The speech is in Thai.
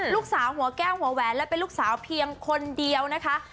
ลูกสาวหัวแก้วหัวแหวนและเป็นลูกสาวเพียงคนเดียวนะคะ